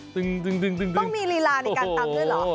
ต้องมีลีลาในการตำด้วยเหรอ